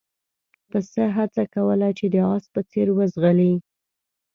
پسه هڅه کوله چې د اس په څېر وځغلي.